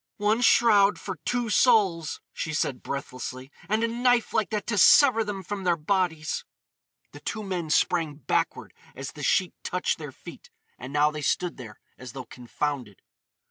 "One shroud for two souls!" she said breathlessly, "—and a knife like that to sever them from their bodies!" The two men sprang backward as the sheet touched their feet, and now they stood there as though confounded.